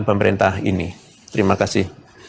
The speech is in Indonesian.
pemerintah ini terima kasih